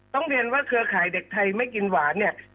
ต้องเรียนว่าเครือข่ายเด็กไทยไม่กินหวานเนี่ย